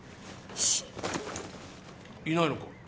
シッいないのか？